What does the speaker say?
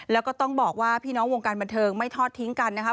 แล้วก็ต้องบอกว่าพี่น้องวงการบันเทิงไม่ทอดทิ้งกันนะครับ